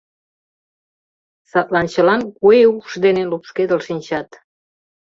Садлан чылан куэ укш дене лупшкедыл шинчат.